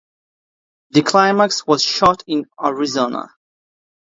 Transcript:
The climax was shot in Arizona.